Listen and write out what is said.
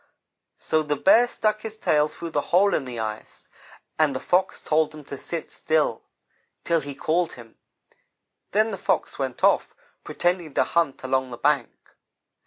"So the Bear stuck his tail through the hole in the ice, and the Fox told him to sit still, till he called him; then the Fox went off, pretending to hunt along the bank.